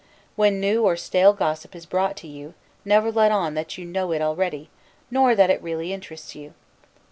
When new or stale gossip is brought to you, never let on that you know it already, nor that it really interests you.